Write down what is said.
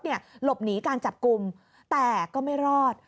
หลบหนีการจับกลุ่มแต่ก็ไม่รอด